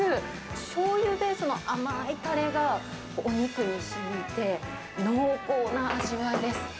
しょうゆベースの甘いたれが、お肉にしみて、濃厚な味わいです。